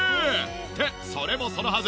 ってそれもそのはず。